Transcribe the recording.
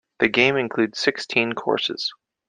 The game includes sixteen courses.